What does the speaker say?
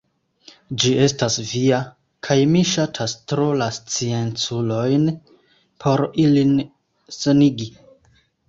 Ĝi estas via, kaj mi ŝatas tro la scienculojn por ilin senigi.